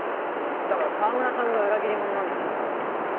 だから澤村さんが裏切り者なんじゃないですか？